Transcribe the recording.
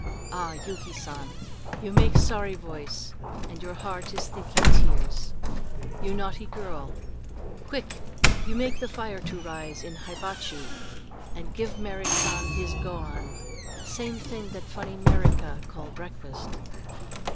"Ah, Yuki San, you make sorry voice and your heart is thinking tears. You naughty girl! Quick you make the fire to rise in hibachi and give that Merrit San his gohan same thing what that funny 'Merica call breakfast."